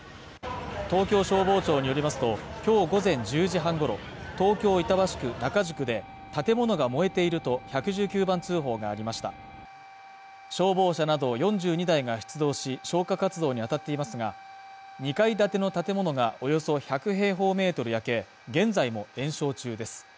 東京消防庁によりますときょう午前１０時半ごろ東京・板橋区仲宿で建物が燃えていると１１９番通報がありました消防車など４２台が出動し消火活動にあたっていますが２階建ての建物がおよそ１００平方メートル焼け現在も延焼中です